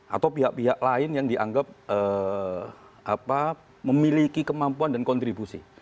atau pihak pihak lain yang dianggap memiliki kemampuan dan kontribusi